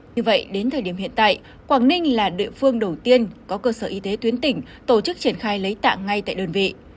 như vậy đến thời điểm hiện tại quảng ninh là địa phương đầu tiên có cơ sở y tế tuyến tỉnh tổ chức triển khai lấy tạng ngay tại đơn vị